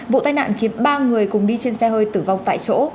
vụ tai nạn khiến ba người cùng đi trên xe hơi tử vong tại chỗ